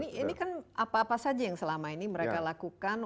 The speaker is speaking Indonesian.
ini kan apa apa saja yang selama ini mereka lakukan